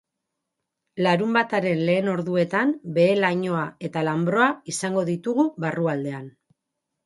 Larunbataren lehen orduetan behe-lainoa eta lanbroa izango ditugu barrualdean.